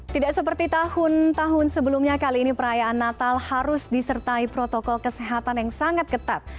tidak seperti tahun tahun sebelumnya kali ini perayaan natal harus disertai protokol kesehatan yang sangat ketat